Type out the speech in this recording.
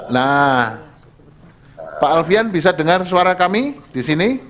nah pak alfian bisa dengar suara kami di sini